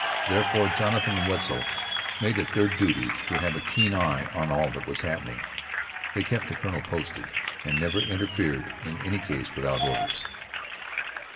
Therefore Jonathan and Wetzel made it their duty to have a keen eye on all that was happening. They kept the colonel posted, and never interfered in any case without orders.